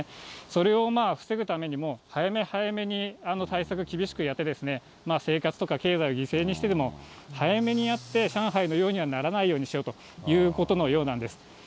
それをまあ、防ぐためにも、早め早めに対策、厳しくやってですね、生活とか経済を犠牲にしてでも、早めにやって、上海のようにはならないようにしようということのようなんです。